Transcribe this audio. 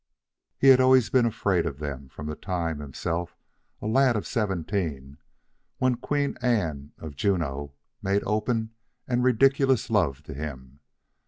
He had always been afraid of them from the time, himself a lad of seventeen, when Queen Anne, of Juneau, made open and ridiculous love to him.